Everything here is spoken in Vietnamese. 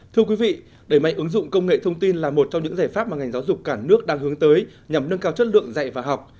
thưa quý vị đẩy mạnh ứng dụng công nghệ thông tin là một trong những giải pháp mà ngành giáo dục cả nước đang hướng tới nhằm nâng cao chất lượng dạy và học